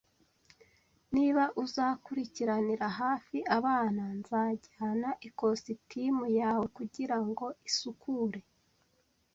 Niba uzakurikiranira hafi abana, nzajyana ikositimu yawe kugirango isukure.